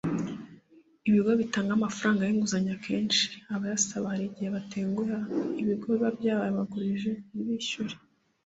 Ibigo bitanga amafaranga yinguzanyo akenshi abayasaba hari igihe batenguha ibigo biba bya yabagurije nti bishyure